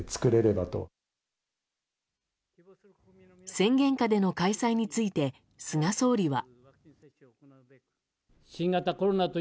宣言下での開催について菅総理は。